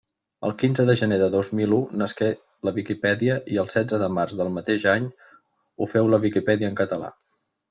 El quinze de gener de dos mil u nasqué la Viquipèdia i el setze de març del mateix any ho féu la Viquipèdia en català.